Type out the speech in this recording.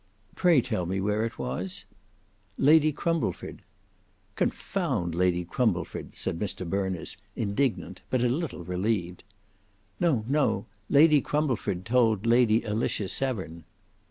"Pray tell me where it was?" "Lady Crumbleford—" "Confound Lady Crumbleford!" said Mr Berners indignant but a little relieved. "No, no; Lady Crumbleford told Lady Alicia Severn."